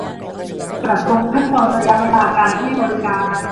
ปรับปรุงขั้นตอนระยะเวลาการให้บริการ